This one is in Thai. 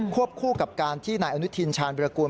ควบคู่กับการที่นายอุณิถินฉานวิรากุล